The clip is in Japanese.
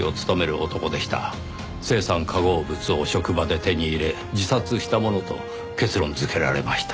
青酸化合物を職場で手に入れ自殺したものと結論づけられました。